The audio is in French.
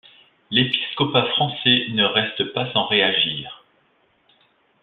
L'épiscopat français ne reste pas sans réagir.